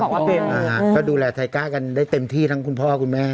ก็ดูแลไทก้ากันได้เต็มที่ทั้งคุณพ่อคุณแม่